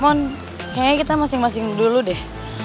mon kayaknya kita masing masing dulu deh